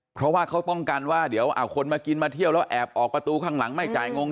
เพราะว่าเขาป้องกันว่าเดี๋ยวคนมากินมาเที่ยวแล้วแอบออกประตูข้างหลังไม่จ่ายงง